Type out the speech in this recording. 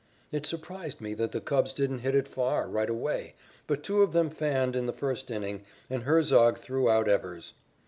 It surprised me that the Cubs didn't hit it far, right away, but two of them fanned in the first inning and Herzog threw out Evers.